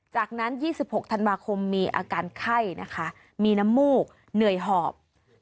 จากนั้น๒๖ธันวาคมมีอาการไข้นะคะมีน้ำมูกเหนื่อยหอบ